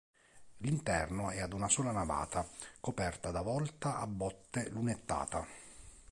L'interno è ad una sola navata, coperta da volta a botte lunettata.